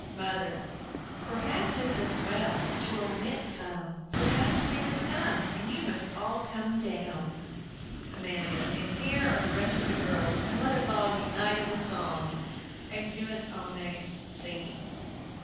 MOTHER. Perhaps it's as well to omit some, for the ice cream has come, and you must all come down. AMANDA. And here are the rest of the girls; and let us all unite in a song! [Exeunt omnes, singing.